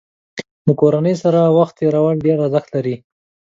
د کورنۍ سره وخت تېرول ډېر ارزښت لري.